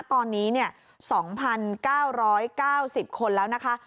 ตอนนี้๒๙๙๐คนแล้วนะคะ